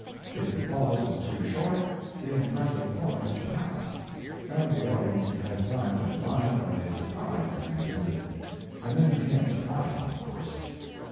If the pause is too short the impressive point is passed, and the audience have had time to divine that a surprise is intended and then you can't surprise them, of course.